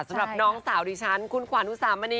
สำหรับน้องสาวดิฉันคุณขวัญอุสามณี